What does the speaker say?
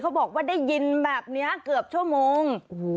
บอกว่าได้ยินแบบนี้เกือบชั่วโมง